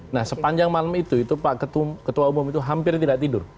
nah sepanjang malam itu pak ketua umum itu hampir tidak tidur